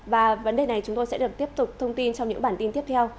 và vấn đề này chúng tôi sẽ được tiếp tục thông tin trong những bản tin tiếp theo